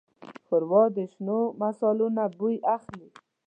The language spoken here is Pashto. ښوروا د شنو مصالو نه بوی اخلي.